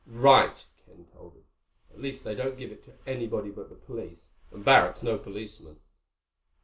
"Right," Ken told him. "At least they don't give it to anybody but the police. And Barrack's no policeman."